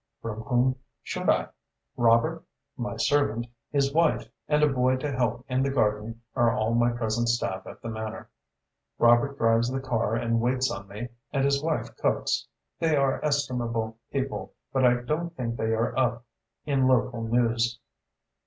"From whom should I? Robert my servant his wife, and a boy to help in the garden are all my present staff at the Manor. Robert drives the car and waits on me, and his wife cooks. They are estimable people, but I don't think they are up in local news."